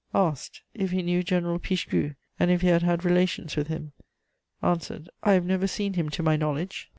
Asked: If he knew General Pichegru, and if he had had relations with him? Answered: "I have never seen him, to my knowledge.